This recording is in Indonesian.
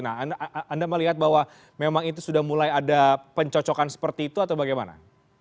nah anda melihat bahwa memang itu sudah mulai ada pencocokan seperti itu atau bagaimana